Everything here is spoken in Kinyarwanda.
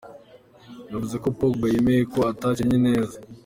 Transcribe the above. Yavuze ko Pogba "yemeye ko atakinye neza".